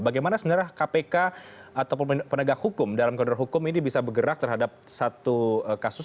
bagaimana sebenarnya kpk atau penegak hukum dalam koridor hukum ini bisa bergerak terhadap satu kasus